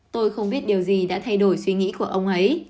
tôi không biết điều gì đã thay đổi suy nghĩ của ông ấy